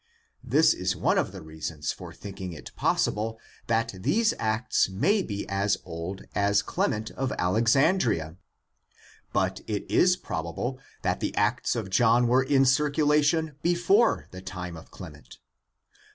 This is one of the reasons for thinking it possible that these Acts may be as old as Clement of Alexandria. But it is probable that the Acts of John were in circulation before the time of Clement.